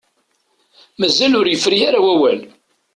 Mazal ur yefri ara wawal.